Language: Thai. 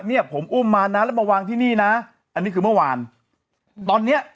เนี่ยผมอุ้มมานะแล้วมาวางที่นี่นะอันนี้คือเมื่อวานตอนเนี้ย